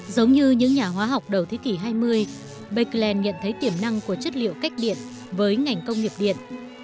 giống như những nhà hóa học đầu thế kỷ hai mươi bạc kỳ lên nhận thấy tiềm năng của chất liệu cách điện với ngành công nghiệp điện